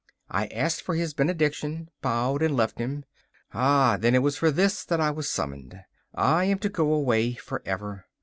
I asked for his benediction, bowed and left him. Ah, then, it was for this that I was summoned! I am to go away forever.